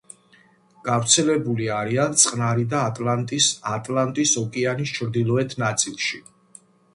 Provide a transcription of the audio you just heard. გავრცელებული არიან წყნარი და ატლანტის ატლანტის ოკეანის ჩრდილოეთ ნაწილში.